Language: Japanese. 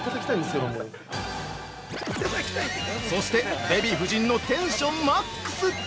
◆そして、デヴィ夫人のテンションマックス。